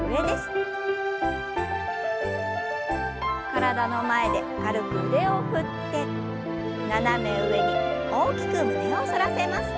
体の前で軽く腕を振って斜め上に大きく胸を反らせます。